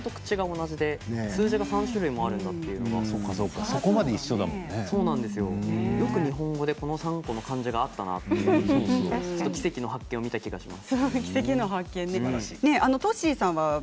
日本語でごんべんとくちが同じで数字が３種類あるというのはよく日本語でこの３個の漢字があったなと奇跡の発見を見た気がします。